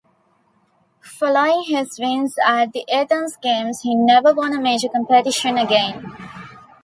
Following his wins at the Athens Games, he never won a major competition again.